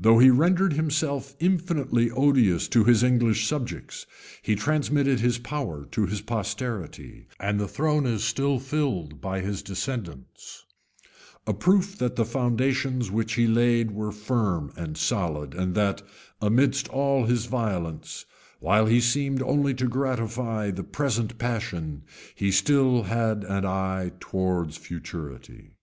Though he rendered himself infinitely odious to his English subjects, he transmitted his power to his posterity, and the throne is still filled by his descendants; a proof that the foundations which he laid were firm and solid, and that, amidst all his violence, while he seemed only to gratify the present passion, he had still an eye towards futurity.